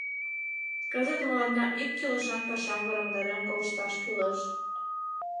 — Кызыт мыланна ик кӱлешан пашам вораҥдарен колшташ кӱлеш.